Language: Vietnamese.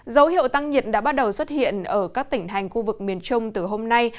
dấu hiệu tăng nhiệt đã bắt đầu xuất hiện ở các tỉnh hành khu vực miền trung từ hôm nay